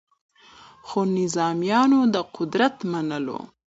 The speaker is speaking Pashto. خو نظامیانو د قدرت منلو